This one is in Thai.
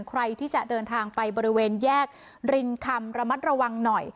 ใครที่จะเดินทางไปบริเวณแยกรินคำระมัดระวังหน่อย